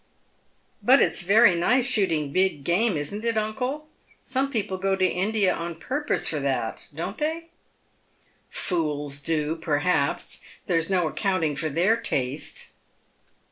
" But it's veiy nice shooting big game, isn't it, uncle ? Some people go to India on purpose for that, don't they ?"" Fools do, perhaps. There's no accounting for their taste."